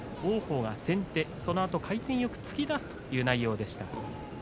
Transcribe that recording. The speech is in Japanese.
王鵬が先手、そのあと回転よく突き出すという内容でした。